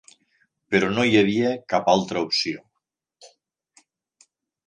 Però no hi havia cap altra opció.